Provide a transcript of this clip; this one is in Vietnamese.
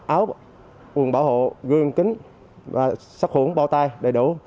áo quần bảo hộ gương kính và sắc hưởng bao tay đầy đủ